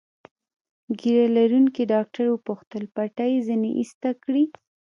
ږیره لرونکي ډاکټر وپوښتل: پټۍ ځینې ایسته کړي؟